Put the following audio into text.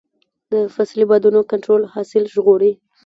د فصلي بادونو کنټرول حاصل ژغوري.